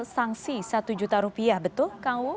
sanksi satu juta rupiah betul kang uu